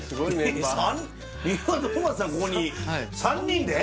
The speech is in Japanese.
ここに３人で？